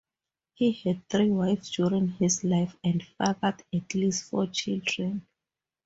He had three wives during his life and fathered at least four children.